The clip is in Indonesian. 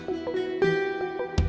terima kasih om